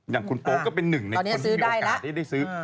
อย่างคุณโป๊ก็เป็นหนึ่งในคนที่มีโอกาสได้ซื้อ